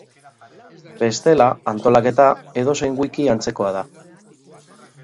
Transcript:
Bestela, antolaketa, edozein wiki antzekoa da.